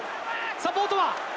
サポートは？